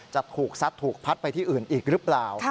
จะถูกซัดถูกพัดไปที่อื่นอีกหรือเปล่า